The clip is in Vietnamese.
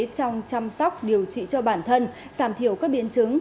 trong chăm sóc điều trị cho bản thân giảm thiểu các biến chứng